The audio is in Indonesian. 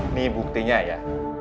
ini buktinya ya